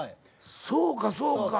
そうかそうか。